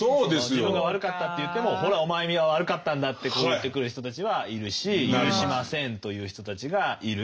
自分が悪かったっていってもほらお前が悪かったんだって言ってくる人たちはいるし赦しませんという人たちがいる。